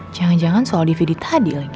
jangan jangan soal dvd tadi lagi